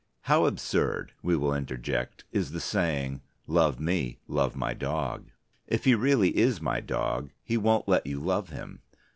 How absurd, we will interject, is the saying: "Love me, love my dog." If he really is my dog, he won't let you love him.